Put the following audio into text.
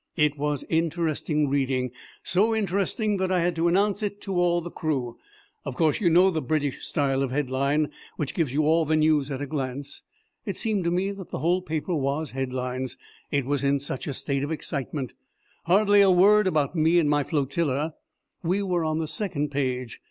It was interesting reading so interesting that I had to announce it all to the crew. Of course, you know the British style of headline, which gives you all the news at a glance. It seemed to me that the whole paper was headlines, it was in such a state of excitement. Hardly a word about me and my flotilla. We were on the second page.